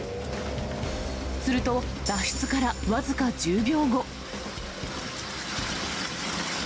すると脱出から僅か１０秒後。